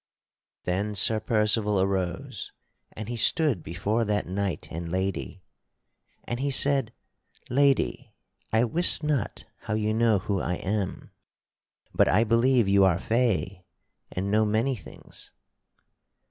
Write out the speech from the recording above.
Then Sir Percival arose and he stood before that knight and lady, and he said: "Lady, I wist not how you know who I am, but I believe you are fay and know many things.